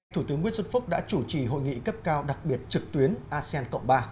thủ tướng nguyễn xuân phúc đã chủ trì hội nghị cấp cao đặc biệt trực tuyến asean cộng ba